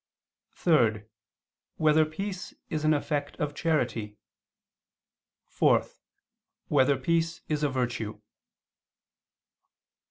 (3) Whether peace is an effect of charity? (4) Whether peace is a virtue?